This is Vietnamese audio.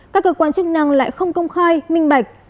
các cơ quan chức năng lại không công khai minh bạch